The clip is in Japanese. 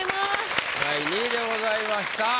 第２位でございました。